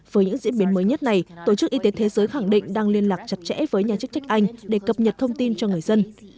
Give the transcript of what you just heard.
với những diễn biến mới nhất này tổ chức y tế thế giới khẳng định đang liên lạc chặt chẽ với nhà chức trách anh để cập nhật thông tin cho người dân